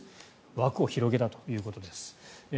枠を広げたということです。